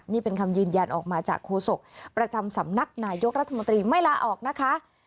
นี่เป็นคำยืนยันออกมาจากโฆษกประจำสำนักนายกรัฐมนตรีไม่ลาออกนะคะ